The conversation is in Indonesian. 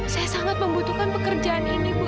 saya sangat membutuhkan pekerjaan ini bu